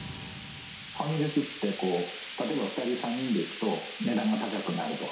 ファミレスって、例えば２人、３人で行くと値段が高くなると。